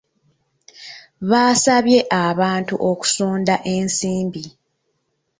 Baasabye abantu okusonda ensimbi.